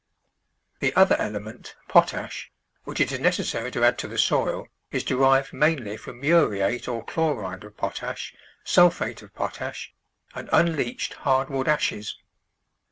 The other element, potash, which it is necessary to add to the soil is derived mainly from muriate or chloride of potash, sulphate of potash, and unleached hardwood ashes.